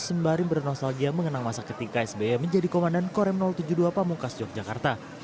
sembari bernostalgia mengenang masa ketika sby menjadi komandan korem tujuh puluh dua pamungkas yogyakarta